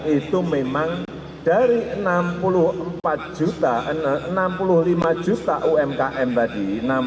itu memang dari enam puluh empat enam puluh lima juta umkm tadi